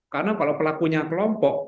karena kalau pelakunya kelompok